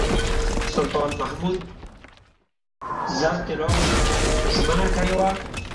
سلطان محمود زر طلاوو ژمنه کړې وه.